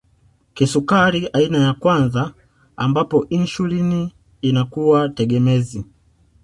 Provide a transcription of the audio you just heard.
Kisukari aina ya kwanza ambapo insulini inakuwa tegemezi